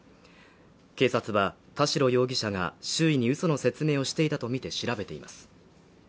警察は田代容疑者が周囲に嘘の説明をしていたとみて調べています。